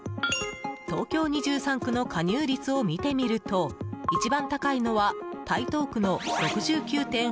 東京２３区の加入率を見てみると一番高いのは台東区の６９．８％。